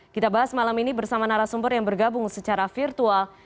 kita bahas malam ini bersama narasumber yang bergabung secara virtual